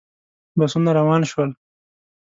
بسونه روان شول.